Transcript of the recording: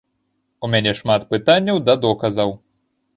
У мяне шмат пытанняў да доказаў.